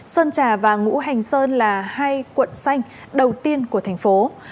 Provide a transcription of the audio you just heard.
sơn trà và ngũ hành sơn là hai quận xanh đầu tiên của thành phố